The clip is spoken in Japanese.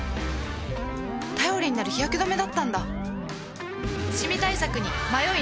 頼りになる日焼け止めだったんだ